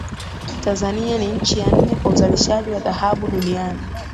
tanzania ni nchi ya nne kwa uzalishaji wa dhahabu duniani